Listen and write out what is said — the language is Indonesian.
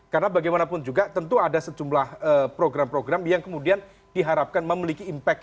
karena bagaimanapun juga tentu ada sejumlah program program yang kemudian diharapkan memiliki impact